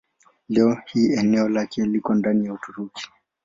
Leo hii eneo lake liko ndani ya Uturuki.